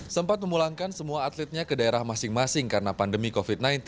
sempat memulangkan semua atletnya ke daerah masing masing karena pandemi covid sembilan belas